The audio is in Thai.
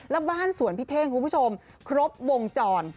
แล้วบ้านสวนพี่เท่งคุณผู้ชมครบวงจร